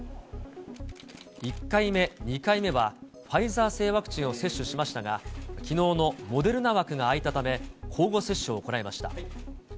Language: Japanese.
１回目、２回目はファイザー製ワクチンを接種しましたが、きのうのモデルナ枠が空いたため、交互接種を行いました。